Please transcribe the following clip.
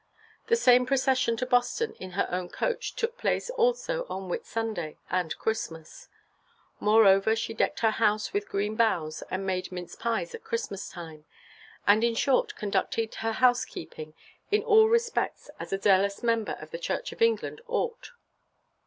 The same procession to Boston in her own coach took place also on Whitsunday and Christmas. Moreover she decked her house with green boughs and made mince pies at Christmas time, and in short conducted her housekeeping in all respects as a zealous member of the Church of England ought.